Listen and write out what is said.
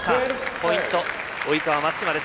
ポイント、及川、松島です。